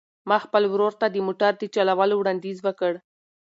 ما خپل ورور ته د موټر د چلولو وړاندیز وکړ.